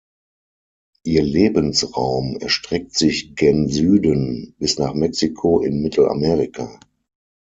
Ihr Lebensraum erstreckt sich gen Süden bis nach Mexiko in Mittelamerika.